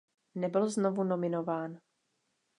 Nebyl znovu nominován.